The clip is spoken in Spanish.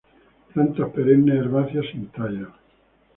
Plantas perennes herbáceas sin tallos.